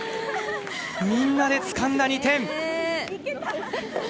みんなでつかんだ２点！